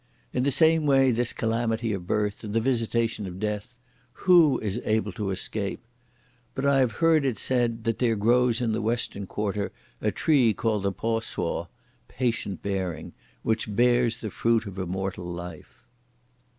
In the same way, this calamity of birth and the visitation of death, who is able to escape? But I have heard it said that there grows in the western quarter a tree called the P'o So (Patient Bearing) which bears the fruit of Immortal life!